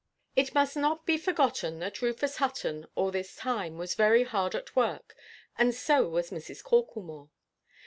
It must not be forgotten that Rufus Hutton all this time was very hard at work, and so was Mrs. Corklemore.